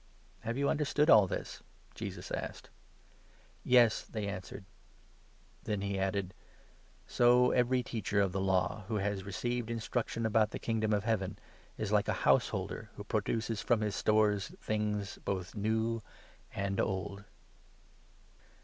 New Have you understood all this?" Jesus asked. 51 and old " Yes," they answered. Truths. Then he added : 52 " So every Teacher of the Law, who has received instruction about the Kingdom of Heaven, is like a householder who pro duces from his stores things both new and old."